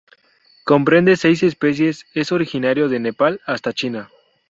Comprende seis especies.es originario de Nepal hasta China.